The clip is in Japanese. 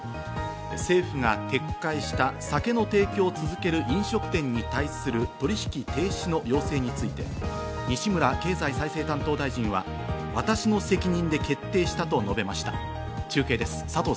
政府が撤回した酒の提供を続ける飲食店に対する取引停止の要請について、西村経済再生担当大臣は私の責任で決定したと述べました。